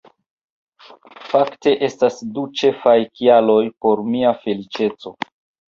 Fakte estas du ĉefaj kialoj por mia feliĉeco